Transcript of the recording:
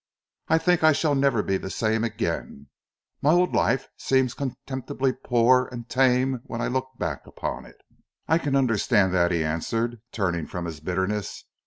I think I shall never be the same again, my old life seems contemptibly poor and tame when I look back upon it." "I can understand that," he answered, turning from his bitterness.